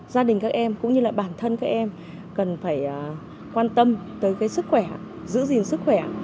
gia đình các em cũng như là bản thân các em cần phải quan tâm tới sức khỏe giữ gìn sức khỏe